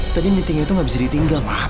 tadi meetingnya itu gak bisa ditinggal maaf